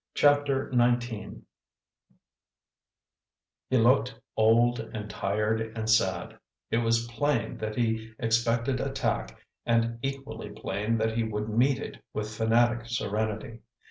CHAPTER XIX He looked old and tired and sad; it was plain that he expected attack and equally plain that he would meet it with fanatic serenity.